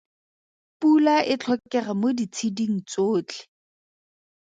Pula e tlhokega mo ditsheding tsotlhe.